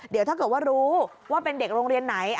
เดี๋ยวถ้าเกิดว่ารู้ว่าเป็นเด็กโรงเรียนไหน